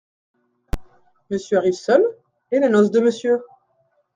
Monsieur arrive seul ?… et la noce de Monsieur ?…